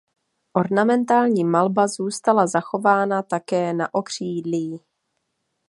Ornamentální malba zůstala zachována také na okřídlí.